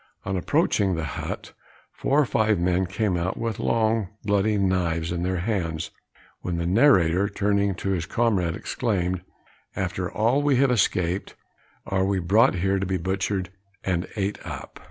On approaching the hut, four or five men came out with long bloody knives in their hands, when the narrator, turning to his comrade, exclaimed, "After all we have escaped, are we brought here to be butchered and ate up?"